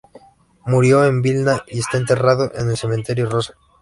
Murió en Vilna y está enterrado en el Cementerio Rosa.